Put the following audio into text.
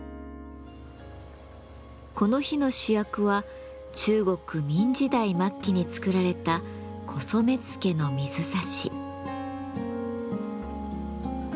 この日の主役は中国明時代末期に作られた古染付の水指。